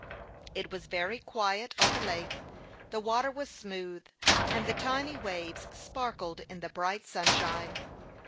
It was very quiet on the lake ; the water was smooth, and the tiny waves sparkled in the bright sunshine.